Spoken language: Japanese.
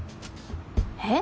えっ？